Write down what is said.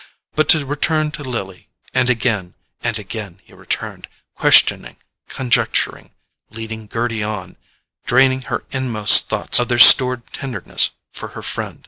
But to return to Lily—and again and again he returned, questioning, conjecturing, leading Gerty on, draining her inmost thoughts of their stored tenderness for her friend.